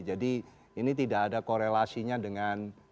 jadi ini tidak ada korelasinya dengan